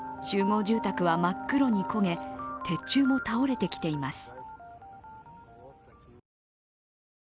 集合住宅は真っ黒に焦げ、鉄柱も倒れてきています。